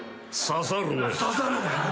「ささるね」